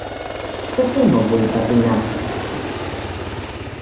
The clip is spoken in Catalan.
Què fem avui per dinar?